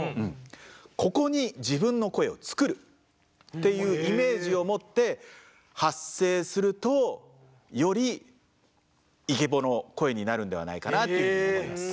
ここに自分の声を作るっていうイメージを持って発声するとよりイケボの声になるのではないかなというふうに思います。